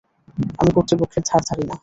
আমি কর্তৃপক্ষের ধার ধারি না।